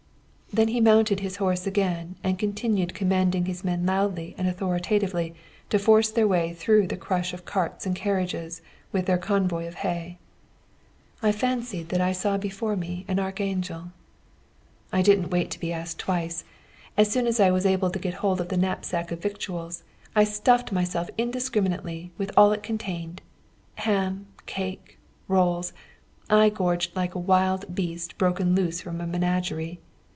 "Then he mounted his horse again, and continued commanding his men loudly and authoritatively to force their way through the crush of carts and carriages with their convoy of hay. I fancied that I saw before me an archangel. "I didn't wait to be asked twice. As soon as I was able to get hold of the knapsack of victuals, I stuffed myself indiscriminately with all it contained ham, cake, rolls. I gorged like a wild beast broken loose from a menagerie.